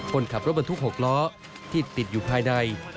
คนขับรถบรรทุก๖ล้อที่ติดอยู่ภายใน